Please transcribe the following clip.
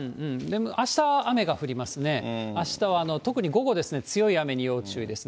あした雨が降りますね、あしたは特に午後ですね、強い雨に要注意ですね。